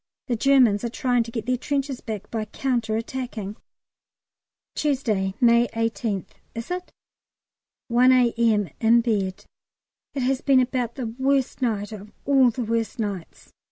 The Germans are trying to get their trenches back by counter attacking. Tuesday, May 18th, is it? 1 A.M., in bed. It has been about the worst night of all the worst nights.